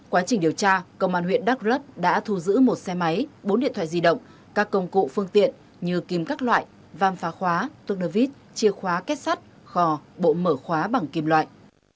quá trình điều tra công an huyện đắk lấp đã thu giữ một xe máy bốn điện thoại di động các công cụ phương tiện như kim các loại vam phá khóa tước nơ vít chia khóa kết sắt khò bộ mở khóa bằng kim loại